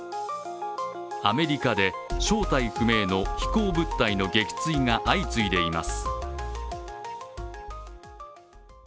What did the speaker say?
アメリカで正体不明の飛行物体の撃墜が相次いでいます。